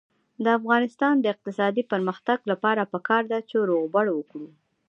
د افغانستان د اقتصادي پرمختګ لپاره پکار ده چې روغبړ وکړو.